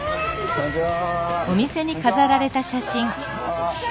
こんにちは。